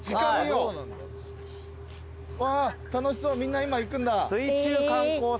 うわ楽しそうみんな今行くんだ。